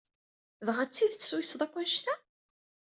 Dɣa d tidet tuysed akk anect-a?